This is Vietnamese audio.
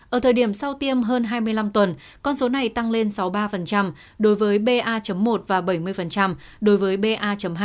ở thời điểm sau tiêm hơn hai mươi năm tuần con số này tăng lên sáu mươi ba đối với ba một và bảy mươi đối với ba hai